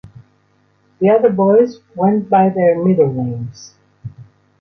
The other boys went by their middle names.